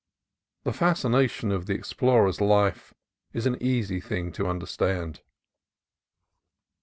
The fascination of the explorer's life is an easy thing to understand.